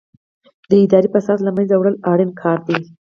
د اداري فساد له منځه وړل اړین کار دی.